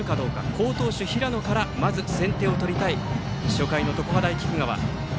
好投手、平野からまず先手を取りたい初回の常葉大菊川。